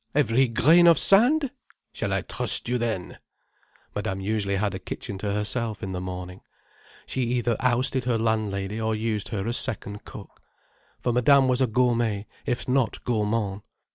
Every grain of sand? Shall I trust you then—?" Madame usually had a kitchen to herself, in the morning. She either ousted her landlady, or used her as second cook. For Madame was a gourmet, if not gourmand.